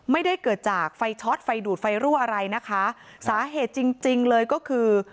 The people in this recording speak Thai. ไม่ได้เกิดจากไฟช็อตไฟดูดไฟรั่วอะไรนะคะสาเหตุจริงจริงเลยก็คือ